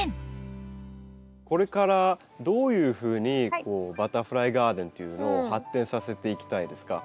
これからどういうふうにバタフライガーデンっていうのを発展させていきたいですか？